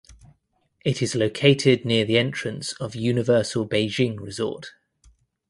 It is located near the entrance of Universal Beijing Resort.